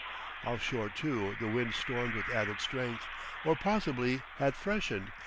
Offshore, too, the wind stormed with added strength, or, possibly, had freshened.